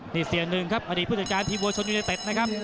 นี่เสียหนึ่งครับอดีตผู้จัดการทีมวัวชนยูเนเต็ดนะครับ